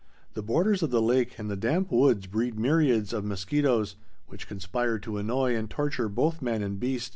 The borders of the lake and the damp woods breed myriads of mosquitoes, which conspire to annoy and torture both man and beast.